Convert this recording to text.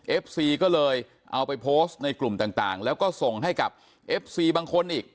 ซีก็เลยเอาไปโพสต์ในกลุ่มต่างแล้วก็ส่งให้กับเอฟซีบางคนอีก